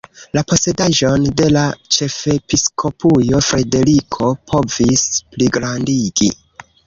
La posedaĵon de la ĉefepiskopujo Frederiko povis pligrandigi.